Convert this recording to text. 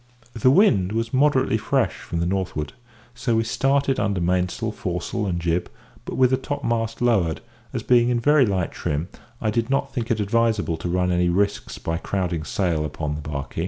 The wind was moderately fresh from the northward, so we started under mainsail, foresail, and jib, but with the topmast lowered, as, being in very light trim, I did not think it advisable to run any risks by crowding sail upon the barkie.